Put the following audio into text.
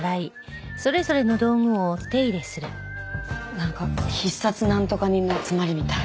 なんか必殺なんとか人の集まりみたい。